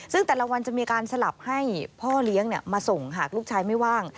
ซึ่งแต่ละวันจะมีการสลับให้พ่อเลี้ยงมาส่งหากลูกชายไม่ว่าง